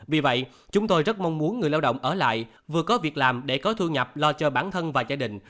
vì vậy chúng tôi rất mong muốn người lao động ở lại vừa có việc làm để có thu nhập lo cho bản thân và gia đình